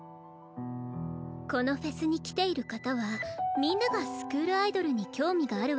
このフェスに来ている方はみんながスクールアイドルに興味があるわけではありません。